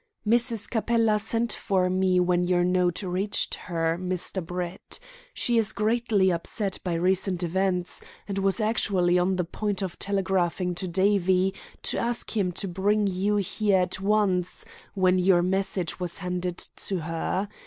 "Mrs. Capella sent for me when your note reached her, Mr. Brett. She is greatly upset by recent events, and was actually on the point of telegraphing to Davie to ask him to bring you here at once when your message was handed to her.